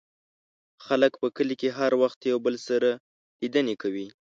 خلک په کلي کې هر وخت یو بل سره لیدنې کوي.